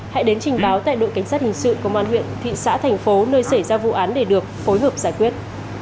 hãy đến trình báo tại đội cảnh sát hình sự công an huyện thị xã thành phố nơi xảy ra vụ án để được phối hợp giải quyết